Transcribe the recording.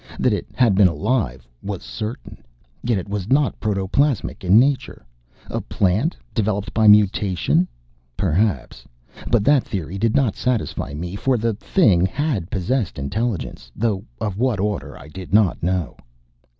That it had been alive was certain. Yet it was not protoplasmic in nature. A plant, developed by mutation? Perhaps. But that theory did not satisfy me for the Thing had possessed intelligence, though of what order I did not know.